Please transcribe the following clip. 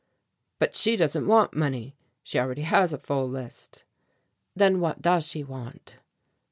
"But she doesn't want money; she already has a full list." "Then what does she want?"